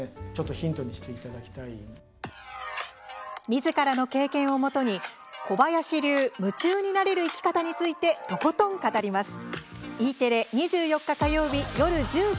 みずからの経験をもとに「小林流、夢中になれる生き方」について、とことん語ります。